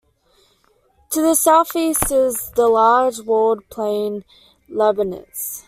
To the southeast is the large walled plain Leibnitz.